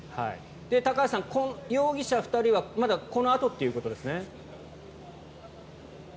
高橋さん、容疑者２人はこのあとということですね？